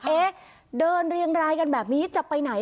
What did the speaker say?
เดินเรียงรายกันแบบนี้จะไปไหน